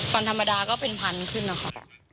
ปัญหาธรรมดาก็เป็นพันบาทขึ้นนะคะ